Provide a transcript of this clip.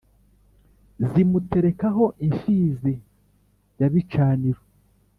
zimuterekaho imfizi ya bicaniro